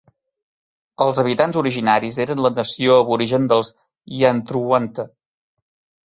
Els habitants originaris eren la nació aborigen dels Yantruwanta.